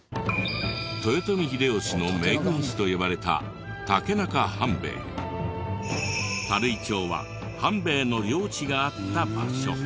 豊臣秀吉の名軍師と呼ばれた垂井町は半兵衛の領地があった場所。